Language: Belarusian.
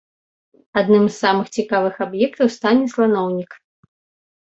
Адным з самых цікавых аб'ектаў стане сланоўнік.